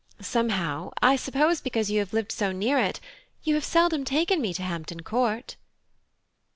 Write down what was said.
Somehow, I suppose because you have lived so near it, you have seldom taken me to Hampton Court."